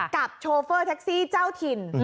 โชเฟอร์แท็กซี่เจ้าถิ่น